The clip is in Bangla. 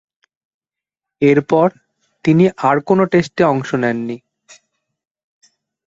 এরপর তিনি আর কোন টেস্টে অংশ নেননি।